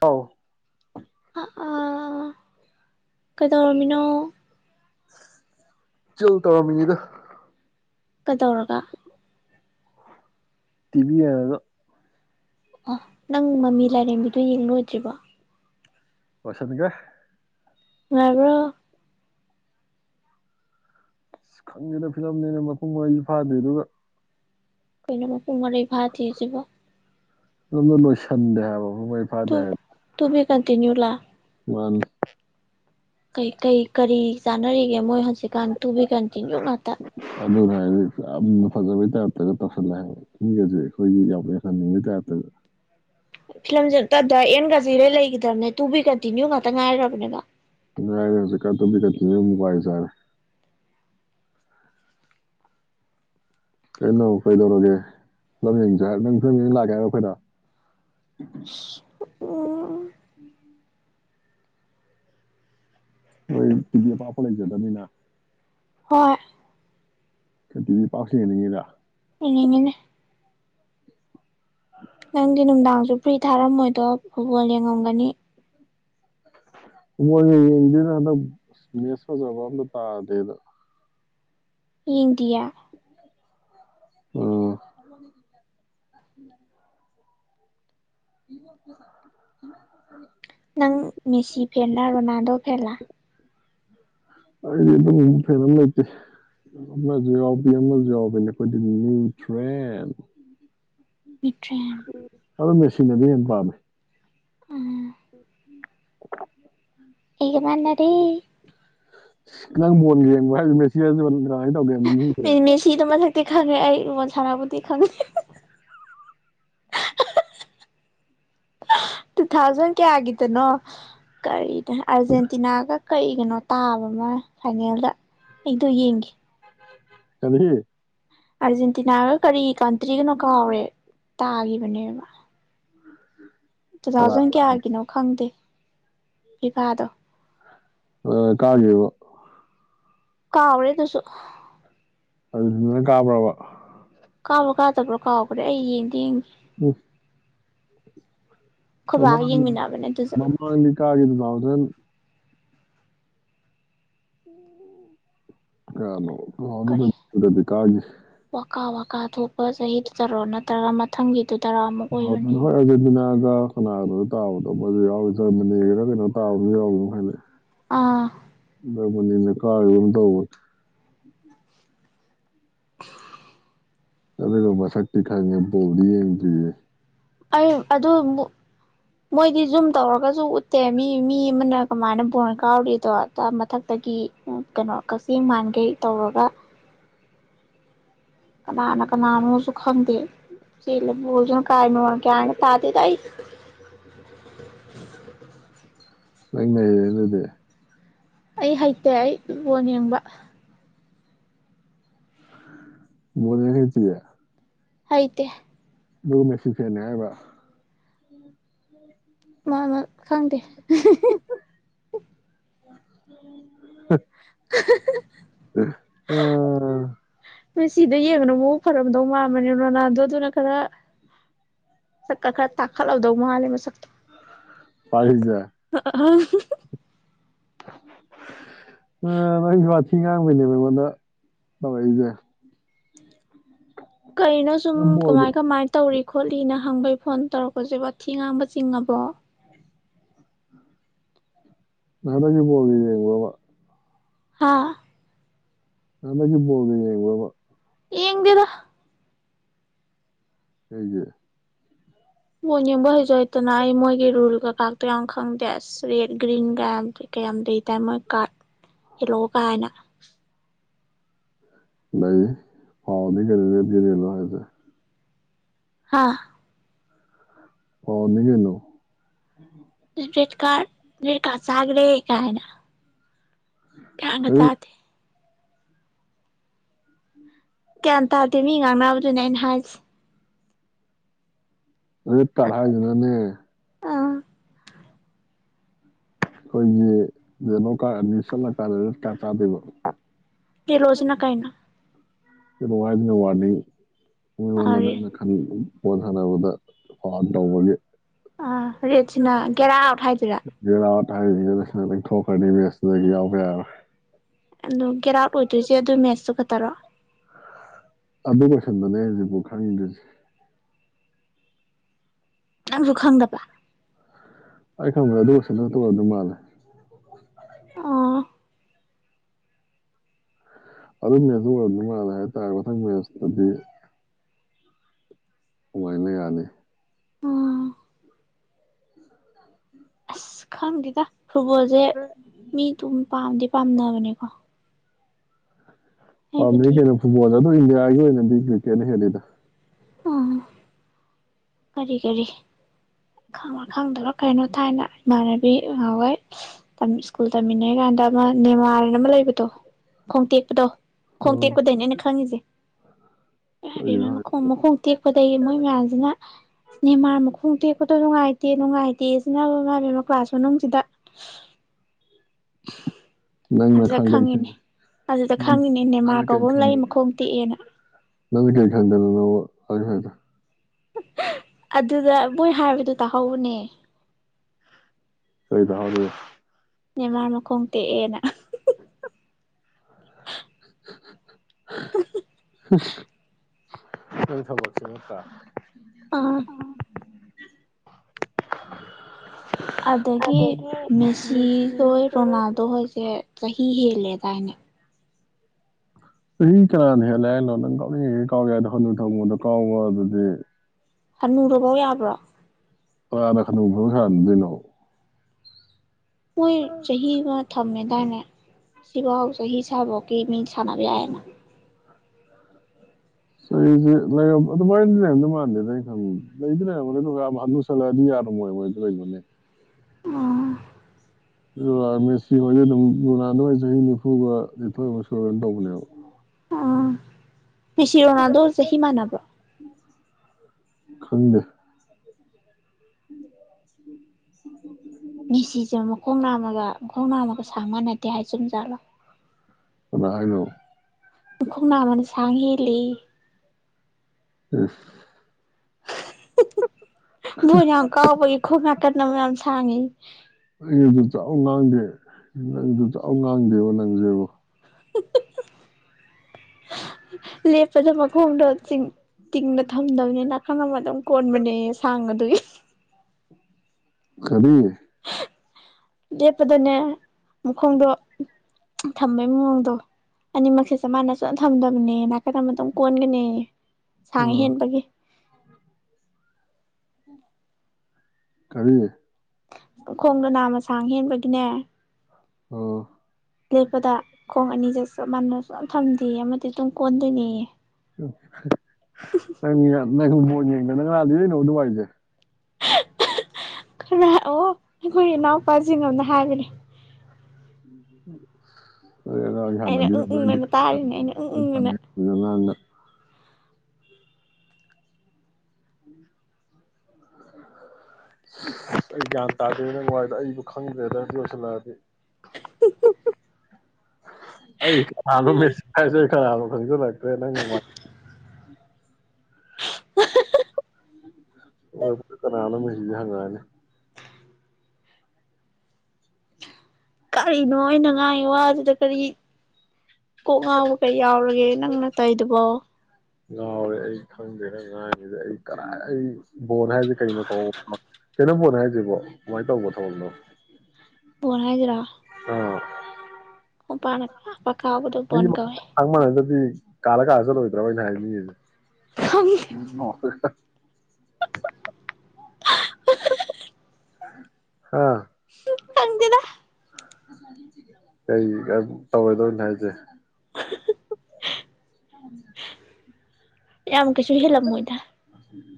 ꯑꯥꯎ ꯀꯗꯣꯃꯤꯅꯣ ꯆꯜ ꯇꯧꯔꯣꯃꯤꯅꯤꯗ ꯀꯗꯧꯔꯒ ꯇꯤꯕꯤꯗꯣ ꯑꯣ ꯅꯪ ꯃꯃꯤ ꯂꯥꯏꯔꯦꯝꯕꯤꯗꯨꯣ ꯌꯦꯡꯉꯨ ꯑꯣꯏꯗ꯭ꯔꯤꯕꯣ ꯄꯁꯗꯨꯒ ꯉꯕ꯭ꯔꯣ ꯑ ꯈꯪꯗꯦꯅ ꯐꯤꯂꯝꯅꯦꯅ ꯃꯄꯨꯡ ꯃꯔꯩꯁꯨ ꯐꯥꯗꯦ ꯑꯗꯨꯒ ꯀꯩꯅꯃ ꯀꯨꯝꯃꯔꯚꯠ ꯍꯖꯕ ꯅꯗ ꯂꯣꯏ ꯁꯟꯗꯦꯍ ꯍꯃꯩ ꯐꯥꯗ ꯀꯟꯇꯤꯅ꯭ꯌꯨ ꯂꯥ ꯋꯥꯟ ꯀ ꯀꯩ ꯀꯔꯤ ꯆꯥꯟꯅꯔꯤꯒꯦ ꯃꯣꯏ ꯍꯧꯖꯤꯛꯀꯥꯟ ꯇꯨꯕꯤ ꯀꯟꯇꯤꯅ꯭ꯌꯨ ꯉꯥꯛꯇ ꯑꯗꯨꯅ ꯍꯥꯏꯗꯤ ꯌꯥꯝꯅ ꯐꯖꯕꯩ ꯇꯥꯏꯔꯞꯇꯒ ꯇꯧꯁꯜꯂꯦꯕ ꯁꯤꯒꯁꯦ ꯑꯩꯈꯣꯏꯒꯤ ꯌꯥꯝ ꯌꯦꯡꯍꯟꯅꯤꯡꯕꯒꯤ ꯇꯥꯏꯞꯇꯒ ꯐꯤꯂꯝꯁ ꯌꯦ ꯀꯖꯤꯔꯦ ꯂꯩꯈꯤꯗꯕꯅꯦ ꯇꯨꯕꯤ ꯀꯟꯇꯤꯅ꯭ꯌꯨ ꯉꯥꯛꯇ ꯉꯥꯏꯔꯕꯅꯦꯕ ꯌꯥꯁꯦ ꯀꯥꯏ ꯇ ꯤꯛꯛꯇ ꯅ ꯄꯥꯏ ꯁꯥꯔ ꯀꯩꯅꯣ ꯀꯩꯗꯧꯔꯒꯦ ꯐꯂꯝ ꯌꯦꯡꯁ ꯍꯥꯏ ꯅꯪ ꯐꯤꯂꯝ ꯌꯦꯡꯁꯤ ꯂꯥꯛꯀꯦ ꯍꯥꯏꯔꯣ ꯑꯩꯈꯣꯏꯗ ꯎꯝ ꯄꯥꯄꯔꯦꯖ ꯑꯗꯨꯃꯤꯅꯥ ꯍꯣꯏ ꯀꯇꯗꯤ ꯄꯥꯎꯁꯦ ꯌꯦꯡꯅꯤꯡꯉꯤꯗ ꯏꯉꯅꯦ ꯅꯪꯗꯤ ꯅꯨꯡꯗꯥꯡꯁꯨ ꯐ꯭ꯔꯤ ꯊꯥꯔꯝꯃꯣꯏꯗꯣ ꯐꯨꯠꯕꯣꯜ ꯌꯦꯡꯉꯝꯒꯅꯤ ꯃꯣꯏꯅ ꯌꯦꯡꯁꯤꯅ ꯍꯟꯗꯛ ꯃꯦꯁ ꯐꯖꯕ ꯑꯝꯇ ꯇꯥꯗꯦꯗ ꯎꯝ ꯗꯌꯥ ꯑꯣ ꯏꯦ ꯅꯪ ꯃꯦꯁꯤ ꯐꯦꯂ ꯔꯣꯅꯥꯜꯗꯣ ꯐꯦꯂꯥ ꯑꯩꯗꯤ ꯑꯗꯨꯝ ꯐꯦꯟ ꯑꯃ ꯂꯩꯇꯦ ꯑꯃꯁꯨ ꯌꯥꯎꯕꯤ ꯑꯃꯁꯨ ꯌꯥꯎꯕꯅꯦ ꯑꯩꯈꯣꯏꯗꯤ ꯅ꯭ꯌꯨ ꯇ꯭ꯔꯦꯟ ꯄꯠꯇꯦ ꯑꯗꯨ ꯃꯦꯆꯅꯗꯤ ꯍꯦꯟꯅ ꯄꯥꯝꯃꯦ ꯎꯝ ꯎꯝ ꯎꯝ ꯑꯩꯒ ꯃꯥꯥꯟꯅꯔꯤ ꯅꯪ ꯃꯣꯟꯒ ꯌꯦꯡꯕ ꯍꯥꯏ ꯃꯦꯁꯤ ꯃꯦꯁꯤꯤ ꯇꯣꯃ ꯊꯗꯤ ꯈꯉꯦ ꯜ ꯊꯔꯕꯨꯗꯤꯤ ꯈꯪ ꯇꯨ ꯊꯥꯎꯖꯟ ꯀꯦ ꯍꯥꯏꯒꯦꯗꯦꯅꯣ ꯀꯔꯤ ꯑꯔꯖꯦꯟꯇꯤꯅꯥꯒ ꯀꯛꯏꯒꯅꯣ ꯇꯥꯕ ꯑꯃ ꯐꯥꯏꯅꯦꯜꯗ ꯑꯩꯗꯣ ꯌꯦꯡꯒ ꯆꯗꯔꯤ ꯑꯔꯖꯦꯟꯇꯤꯅꯥ ꯀꯔꯤ ꯀꯟꯇ꯭ꯔꯤꯒꯅꯣ ꯀꯥꯎꯔꯦ ꯇꯥꯈꯤꯕꯅꯦꯕ ꯇꯨ ꯊꯥꯎꯖꯟ ꯀꯌꯥꯒꯤꯅꯣ ꯈꯪꯗꯦ ꯏ ꯀꯥꯗꯣ ꯑ ꯀꯥꯒꯤꯦ ꯋꯥ ꯀꯥꯔꯦꯗꯨꯁꯨ ꯑꯗꯨ ꯀꯥꯄ꯭ꯔꯕ ꯀꯥꯎꯕ꯭ꯔꯣ ꯀꯥꯗꯕ꯭ꯔꯣ ꯀꯥꯎꯈ꯭ꯔꯦ ꯑꯩ ꯌꯦꯡꯗꯤ ꯌꯦꯡꯒꯦ ꯎ ꯃꯃ ꯃꯃꯥ ꯂꯤ ꯀꯒꯤ ꯑꯗꯨ ꯌꯥꯎꯗꯦꯟ ꯀꯅꯣ ꯋꯥꯀꯥ ꯋꯥꯀꯥ ꯊꯣꯛꯄ ꯁꯍꯤ ꯁꯔ ꯅ ꯇꯔꯥ ꯃꯊꯪꯒꯤ ꯍꯣꯏ ꯑꯗꯨꯅ ꯀꯅꯥꯒꯗ ꯇꯥꯕꯗꯣ ꯃꯣꯏꯁꯨ ꯌꯥꯎꯔꯤ ꯖꯔꯃꯅꯤꯒꯤꯔꯥ ꯀꯩꯅꯣ ꯇꯥꯕꯗ ꯌꯥꯎꯔꯤꯅ ꯍꯥꯏꯂꯦ ꯎꯝ ꯅ ꯀꯥꯔꯒ ꯇꯧꯕ [inaudible] ꯑꯔꯦꯒꯣꯕꯥꯁꯤ ꯈꯥꯏꯉꯦ ꯣꯗꯤ ꯑꯩ ꯑꯗꯨ ꯃꯣꯏꯗꯤ ꯖꯨꯝ ꯇꯧꯔꯒꯁꯨ ꯎꯠꯇꯦ ꯃꯤ ꯃꯤ ꯑꯃꯅ ꯀꯃꯥꯏꯅ ꯕꯣꯟ ꯀꯥꯎꯔꯤꯗꯣ ꯃꯊꯛꯇꯒꯤ ꯀꯩꯅꯣ ꯀꯛꯆꯤꯡ ꯃꯥꯟꯈꯩ ꯇꯧꯔꯒ ꯀꯅꯥꯅ ꯀꯅꯥꯅ‌ꯣꯁꯨ ꯈꯪꯗ‌ꯦ ꯆ‌ꯦꯜꯂꯕ‌ꯣ [unintelligible] ꯀꯥꯏꯅ‌ꯣ ꯒꯌ‍꯭ꯋꯥ [unintelligible] ꯑꯩ ꯍꯩꯇꯦ ꯑꯩ ꯏꯕꯣꯟ ꯌꯦꯕ ꯕ‌ꯣꯟ ꯆ‌ꯦꯡ ꯇ‌ꯦ ꯍꯩꯇ‌ꯦ ꯃ‌ꯣꯏ ꯅ ꯁꯤꯟ ꯆ‌ꯦꯟ ꯍꯥꯏꯕ [unintelligible] ꯈꯪꯗ‌ꯦ [unintelligible] [unintelligible] ꯉꯁꯤꯗꯩ ꯌ‌ꯦꯡꯕꯗ ꯃꯕꯨꯛ ꯐꯔꯝꯗꯧ ꯃꯥꯜꯂꯤ ꯍ‌ꯣꯏꯅ‌ꯦ ꯔ‌ꯣꯅꯥꯜꯗ‌ꯣ ꯗꯨꯅ ꯈꯔ ꯁꯛꯀ ꯈꯔ ꯇꯥꯈꯠꯍꯧꯗꯧ ꯃꯥꯜꯂꯦ ꯃꯁꯛꯇꯣ ꯑ ꯎ ꯅꯪꯁꯨ ꯋꯥꯊꯤ ꯉꯥꯡꯕꯩꯅꯦꯕ ꯑꯩꯉꯣꯟꯗ ꯇꯧꯔꯛꯏꯁꯦ ꯀꯩꯅ‌ꯣ ꯁꯨꯝ ꯀꯃꯥꯏ ꯀꯃꯥꯏ ꯇꯧꯔꯤ ꯈꯣꯠꯂꯤꯅ ꯍꯪꯕꯩ ꯐꯣꯟ ꯇꯧꯔꯛꯄꯁꯦꯕꯊꯤ ꯉꯥꯡꯕ ꯆꯤꯡꯉꯕꯣ [unintelligible] ꯕ‌ꯣꯜꯗꯤ ꯌ‌ꯦꯡꯕ꯭ꯔ ꯕ ꯍꯥꯥ ꯍꯟꯗꯛꯀꯤ ‌ꯕ‌ꯣꯜꯗꯤ ꯌ‌ꯦꯡꯕ꯭ꯔꯕ ꯌꯦꯡꯗꯦꯗ ꯀꯩꯒꯤ ꯕꯣꯟ ꯌꯦꯡꯕ ꯍꯩꯖ ꯍꯦꯗꯅ ꯑꯩ ꯃꯣꯏꯒꯤ ꯔꯨꯜ ꯀꯀꯥꯛꯇꯣ ꯌꯥꯝ ꯈꯪꯗꯦ ꯑꯁ ꯔꯦꯠ ꯒ꯭ꯔꯤꯟꯒ ꯀ ꯂꯩ ꯇꯔꯦ ꯃꯣꯏ ꯀꯥꯔꯠ ꯌꯦꯂꯣ ꯀꯥꯏꯅ ꯂꯩ ꯐꯥꯎꯟꯗ‌ꯩ ꯀꯩꯗꯩ ꯃ‌ꯦꯟ ꯃꯥꯟ ꯇꯥꯗ‌ꯦ ꯍꯥ ꯐꯥꯎꯟ ꯅꯤ ꯀꯩꯅ‌ꯣ ꯔ‌ꯦꯠ ꯀꯥꯔꯗ ꯔ‌ꯦꯠ ꯀꯥꯔꯠ ꯆꯒꯔꯦ ꯀꯥꯏꯅ ꯀꯥꯡꯒ ꯇꯥꯗꯤꯦ ꯒ꯭ꯌꯥꯟ ꯇꯥꯗ‌ꯦ ꯃꯤꯟ ꯉꯥꯡꯅꯕ ꯗꯨꯅ‌ꯦ ꯑꯩꯟ ꯍꯥꯏꯁ‌ꯦ ꯑꯗꯨ ꯇꯔ ꯍꯥꯏꯖꯅꯅꯦ ꯑꯩꯈꯣꯏꯒꯤ ꯌꯦꯂ‌ꯣ ꯀꯥ꯭ꯔꯗ ꯑꯅꯤ ꯁꯠꯂꯀꯥꯟꯗ ꯔ‌ꯦꯔ ꯀꯥ꯭ꯔꯗ ꯆꯥꯗ‌ꯣꯏꯕ [unintelligible] ꯋꯥꯔꯅꯤꯡ [unintelligible] ꯕ‌ꯣꯜ ꯁꯅꯕꯗ ꯐ‌ꯣꯜ ꯇꯧꯕꯒꯤ ꯑ ꯔꯦꯠꯁꯤꯅ ꯒꯦꯑꯥ꯭ꯎꯠ ꯍꯥꯏꯗ‌ꯣꯏꯔꯥ [unintelligible] ꯂꯪꯊꯣꯛꯈ꯭ꯔꯅꯤ ꯃꯦꯁꯇꯨꯗꯒꯤ ꯌꯥꯎꯕ ꯌꯥꯔꯣꯏ ꯑꯗꯣ ꯒꯦꯠ ꯑꯥꯎꯠ ꯑꯣꯏꯗꯣꯏꯁꯦ ꯑꯗꯨ ꯃꯦꯠꯁꯇꯨ ꯈꯛꯇꯔꯣ ꯑꯗꯨ ꯀꯣꯏꯁꯟꯗꯅꯦ ꯍꯧꯖꯤꯕꯨ ꯈꯪꯉꯤꯗꯁꯦ ꯉꯪꯁꯨ ꯈꯪꯗꯕ ꯑꯩ ꯈꯪꯕ꯭ꯔꯦ ꯑꯗꯨꯁꯗ ꯇꯧꯔ ꯑꯗꯨ ꯃꯥꯜꯂꯦ ꯑꯥ ꯑꯗꯨ ꯃꯦꯁ ꯑꯣꯏꯅꯤ ꯃꯥꯜ ꯍꯥꯏꯇꯥꯔꯦ ꯃꯊꯪ ꯃꯦꯁꯇꯗꯤ ꯑꯗꯨꯃꯥꯏꯅ ꯌꯥꯅꯤ ꯁ ꯈꯥꯟꯗꯤꯗ ꯐꯨꯠꯕꯣꯜꯁꯦ ꯃꯤ ꯇ ꯄꯥꯝꯗꯤ ꯄꯥꯝꯅꯕꯅꯦꯀꯣ ꯀꯦꯣ ꯏꯟꯗꯤꯌꯥ ꯌ ꯅ ꯀꯦꯅꯦ ꯍꯗ ꯑ ꯀꯔꯤ ꯀꯔꯤꯈꯥꯡꯕ ꯈꯪꯗꯕ꯭ꯔꯥ ꯀꯩꯅꯣ ꯊꯥꯏꯅ ꯏꯃꯥꯟꯅꯕꯤ ꯉꯍꯥꯟꯋꯥꯏ ꯁ꯭ꯀꯨꯜ ꯇꯝꯃꯤꯟꯅꯔꯤ ꯀꯥꯟꯗ ꯑꯃ ꯅꯦꯃꯥꯔ ꯑꯃ ꯂꯩꯕꯗꯣ ꯈꯣꯡꯇꯦꯛꯄꯗꯣ ꯈꯣꯡꯇꯦꯛꯄꯗꯅꯦꯩꯅ ꯈꯪꯉꯤꯁꯦ ꯍꯥꯏ ꯃꯈꯣꯡ ꯃꯈꯣꯡ ꯇꯦꯛꯄꯗꯒꯤꯗꯒꯤ ꯃꯣꯏ ꯃꯌꯥꯝꯁꯤꯅ ꯅꯦꯃꯥꯔ ꯃꯈꯣꯡꯗꯦ ꯈꯣꯠꯇ ꯅꯨꯡꯉꯥꯏꯇꯦ ꯅꯨꯡꯉꯥꯏꯇꯦ ꯁꯤꯅ ꯃ ꯀ꯭ꯂꯥꯁ ꯃꯅꯨꯡꯅꯨꯡꯁꯤꯗ [unintelligible] [unintelligible] ꯅꯪꯅ ꯈ ꯀ ꯅꯪ ꯀ ꯈꯗꯦꯅ ꯅ ꯍꯗ ꯍ ꯑꯗꯨ ꯑꯗꯨꯗ ꯃꯣꯏ ꯍꯥꯏꯕꯗꯨ ꯇꯥꯍꯧꯕꯅꯦ ꯁꯣꯏꯗ ꯍ ꯦ ꯃꯥꯔ ꯃꯈꯈꯣꯡ ꯇꯦꯛꯑꯦꯅ ꯎꯝ ꯎꯝ ꯎꯝ [unintelligible] ꯀ ꯊꯁꯤꯠꯇ ꯑꯥ [inaudible] ꯑꯗꯒꯤ ꯃꯦꯁꯤꯈꯣꯏ ꯔꯣꯅꯥꯜꯗꯣ ꯍꯣꯏꯁꯦ ꯁꯍꯤ ꯍ ꯂꯩ ꯇꯅꯦ ꯆꯍꯤ ꯀꯅꯥꯅ ꯍꯦꯜꯂꯦ ꯍꯥꯏꯅꯣ ꯅꯪ ꯀꯥꯎꯅꯤꯡ ꯀꯥꯎꯒꯦ ꯍꯥꯏꯗꯣ ꯍꯂꯨ ꯊꯝꯃꯨꯗ ꯀꯥꯎꯕ ꯑꯗꯨꯗꯤ ꯍꯥꯅꯗꯐꯥꯎ ꯌꯥꯕ꯭ꯔꯣ ꯑꯥꯙꯥ ꯈꯟ ꯁꯅ ꯂꯩꯩꯅꯣ ꯍꯣꯏ ꯆꯍꯤ ꯆꯍꯤ ꯋꯥ ꯊꯝꯃꯦꯗꯥꯏꯅꯦ ꯁꯤꯐꯥꯎ ꯆꯍꯤ ꯁꯥꯐꯥꯎꯒꯤ ꯃꯤ ꯁꯥꯟꯅꯕ ꯌꯥꯏꯑꯅ ꯁꯤꯁꯦ ꯂꯩ ꯑꯗꯨꯗꯝꯗ ꯃꯥꯟꯗꯦꯗ ꯈꯪ ꯂꯩꯗ꯭ꯔꯦꯔꯕꯅꯦ ꯑꯗꯨꯒ ꯂꯁꯜꯂꯛꯑꯗꯤ ꯌꯥꯔꯝꯃꯣꯏ ꯃꯣꯏꯗ ꯂꯩꯕꯅꯦ ꯑ ꯃꯦꯁꯤ ꯍꯣꯏꯗꯤ ꯑꯗꯨꯝ ꯂꯗꯋꯥ ꯆꯍꯤ ꯅꯤꯐꯨꯒ ꯅꯤꯊꯣꯏꯕ ꯁꯣꯏꯨꯔꯒꯅ ꯇꯧꯕꯅꯦꯕ ꯐꯤꯁꯤꯔꯣꯅꯥꯗꯣ ꯑꯣꯏꯔꯁꯦ ꯍꯃꯥꯟꯅꯕ꯭ꯔ ꯈꯪꯗ ꯎꯝ ꯃꯤꯁꯤꯁꯦ ꯃꯈꯣꯡ ꯅꯥꯝꯃꯒ ꯈꯈꯣꯡꯅ ꯑꯃꯨꯒ ꯁꯥꯡ ꯃꯥꯟꯅꯗꯦ ꯍꯥꯏꯦ ꯆꯨꯝꯖꯥꯂꯣ ꯑꯗ ꯍꯥꯏꯅꯣ ꯃꯈꯈꯣꯡ ꯅꯥꯃꯅ ꯁꯥꯡ ꯍꯦꯜꯂꯤ ꯎꯝ ꯅ ꯀꯕꯨꯒꯤ ꯈꯨ ꯉꯀꯅ ꯃ ꯁꯉꯦ ꯆꯥꯎ ꯉꯥꯡꯗꯦ ꯅꯪꯗꯨ ꯆꯥꯎꯥꯎ ꯉꯥꯡꯗꯦꯕ ꯅꯪꯁꯦꯕꯣ [unintelligible] ꯂꯦꯞꯄꯗ ꯃꯈꯣꯡꯗꯣꯤꯡ ꯇꯤꯡꯅ ꯊꯝꯗꯕꯅꯤꯅ ꯈꯪꯉꯝꯃꯗꯧ ꯀꯣꯟꯕꯅꯦ ꯁꯥꯡꯉ ꯑꯗꯨꯏ ꯀꯔꯤ ꯂꯦꯞꯄꯗꯅꯦ ꯃꯈꯣꯡꯗꯣ ꯊꯝꯕꯩ ꯃꯑꯣꯡꯗꯣ ꯑꯅꯤꯃꯛꯁꯤꯁꯦ ꯃꯥꯅ ꯁꯅ ꯊꯝꯗꯕꯅꯦ ꯅꯥꯀꯗ ꯑꯃ ꯑꯗꯨꯝ ꯀꯣꯟꯒꯅꯦ ꯁꯥꯡ ꯍꯦꯟꯕꯒꯤ ꯀꯔꯤ ꯈꯣꯡꯗꯅꯥꯃꯁꯥꯡ ꯍꯦꯟꯕꯒꯤꯅꯦ ꯑꯣ ꯂꯦꯞꯄꯗ ꯈꯣꯡ ꯑꯅꯤ ꯆꯠꯁꯤ ꯆꯞ ꯃꯥꯟꯅꯁꯨ ꯊꯝꯗ ꯑꯃꯗꯤ ꯑꯗꯨꯝ ꯀꯣꯟꯗꯣꯏꯅꯤꯌꯦ ꯃꯤꯔꯝ [unintelligible] ꯅꯪꯈ ꯃꯣꯟ ꯌꯦꯡꯗꯅ ꯀꯅꯥꯅꯥ ꯂꯩꯔꯛ ꯑꯦꯅꯣ ꯑꯗꯨ ꯋꯔꯤꯖꯦ ꯔ ꯑꯣ ꯑꯩꯈꯣꯏ ꯏꯅꯥꯎꯄꯥꯁꯤꯡꯃꯥꯅ ꯍꯥꯏꯕꯅꯦ ꯎꯝ [unintelligible] ꯍ ꯍꯥꯟꯅꯕꯤꯔꯔꯕ꯭ꯔꯥꯗꯤꯥꯟꯗ [unintelligible] ꯑꯩ ꯒ꯭ꯌꯥꯟ ꯇꯥꯗꯦ ꯅꯪꯋꯔꯤꯗꯣ ꯑꯩꯖꯨ ꯈꯪꯗ꯭ꯔꯦꯗ ꯑꯗꯨ ꯌꯧꯁꯤꯜꯂꯛꯑꯗꯤ ꯑꯩ ꯊꯗ ꯃꯥꯏꯁꯦ [unintelligible] ꯀꯅꯥꯅꯣ ꯈꯪꯖꯟ ꯑ ꯅꯪ ꯉꯥꯡ ꯑꯣꯏ ꯀꯥꯅ ꯃꯁꯤ ꯍꯥꯏꯒꯥꯅꯤ ꯀꯔꯤꯅꯣ ꯑꯩꯅ ꯉꯥꯏꯉ ꯋꯥ ꯑꯗꯨꯗ ꯀꯔꯤ ꯀꯣꯛ ꯉꯥꯎꯕ ꯀꯩ ꯌꯥꯎꯔꯒꯦ ꯅꯪꯅ ꯇꯥꯏꯗꯨꯕꯣ ꯉꯥꯎꯔꯦ ꯑꯩ ꯈꯪꯗꯦ ꯅꯪꯅ ꯉꯥꯡꯉꯤꯗꯣꯗ ꯑꯩ ꯀꯔꯥꯏ ꯑꯩ ꯕꯣꯜ ꯍꯥꯏꯗꯤ ꯀꯔꯤꯅꯣ ꯀꯣ ꯀꯦꯅ ꯄꯣꯅꯦ ꯍꯥꯏꯁꯤꯕꯣ ꯀꯃꯥꯏꯅ ꯇꯧꯕ ꯊꯕꯛꯅꯣ ꯕꯣꯜ ꯍꯥꯏꯁꯤꯔꯣ ꯑꯣ ꯃꯄꯥꯟꯗꯥ ꯗꯣꯛ ꯀꯧꯕꯗꯣ ꯕꯣꯜ ꯀꯧꯑ ꯀꯥꯂ ꯀꯥꯂꯜꯂꯣꯏꯗ꯭ꯔꯣ ꯑꯩꯅ ꯍꯥꯏꯅꯤꯡꯉꯁꯦ ꯎꯝ [unintelligible] ꯍꯥ ꯀꯩ ꯀ ꯇꯧꯋꯥꯏꯗꯧꯅ ꯍꯥꯏꯁꯦ ꯌꯥꯝ ꯀꯩꯁꯨ ꯍꯦꯜꯂꯝꯃꯣꯏꯗ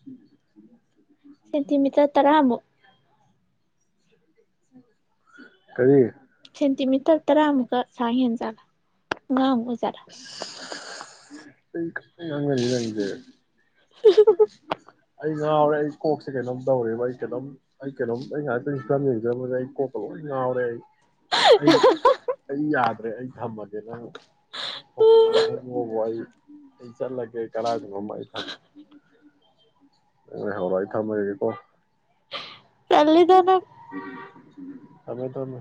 ꯎꯝ [unintelligible] ꯁꯦꯟꯇꯤꯃꯤꯇꯔ ꯇꯔꯥꯃꯨꯛ ꯀꯔꯤ ꯁꯦꯟꯇꯤꯃꯤꯇꯔ ꯇ ꯑꯃꯒ ꯁꯥꯏ ꯌꯦꯟ ꯆꯂ ꯑꯃ ꯆꯔ ꯍ [unintelligible] ꯑꯉ ꯂꯩ ꯂꯪꯗꯦ [inaudible] ꯑꯩ ꯉꯥꯎꯔꯦ ꯑꯩ ꯀꯣꯛꯁꯦ ꯀꯩꯅꯣꯝ ꯇꯧꯔꯦꯕ ꯑꯩ ꯀꯩꯅꯣꯝ ꯑꯩ ꯀꯩꯅꯣꯝ ꯑꯩ ꯉꯥꯏꯍꯥꯛ ꯄ꯭ꯔꯤꯟꯁꯤꯄꯥ ꯌꯦꯡꯖꯝꯕꯁꯦ ꯑꯩ ꯀꯣꯛꯇ ꯂꯣꯏ ꯉꯥꯎꯔꯦ ꯑꯩ ꯑ ꯌꯥꯗ ꯑꯩ ꯊꯃꯗꯅ [unintelligible] ꯋꯥꯏ ꯏ ꯆꯜꯂ ꯀꯦ ꯀꯔꯑꯗ ꯃꯃꯥꯏ ꯊꯝ ꯍꯔꯏ ꯊꯃꯦꯔꯒꯦ ꯀꯣ ꯆꯂꯗꯅ ꯊꯃꯦ ꯊꯃꯦ